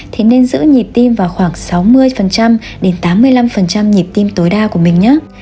thì nên giữ nhịp tim vào khoảng sáu mươi đến tám mươi năm nhịp tim tối đa của mình nhé